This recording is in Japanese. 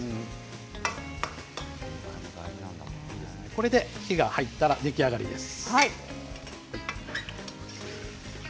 これで火が入ったら出来上がりです。